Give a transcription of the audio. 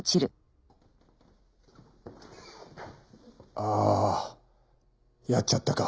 あーやっちゃったか。